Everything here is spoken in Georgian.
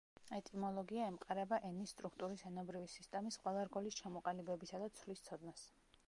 ეტიმოლოგია ემყარება ენის სტრუქტურის ენობრივი სისტემის ყველა რგოლის ჩამოყალიბებისა და ცვლის ცოდნას.